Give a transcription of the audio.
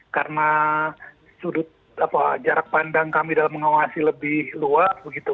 karena sudut apa jarak pandang kami dalam mengawasi lebih luas begitu